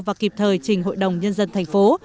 và kịp thời trình hội đồng nhân dân thành phố